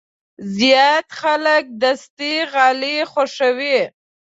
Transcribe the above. زیات خلک دستي غالۍ خوښوي.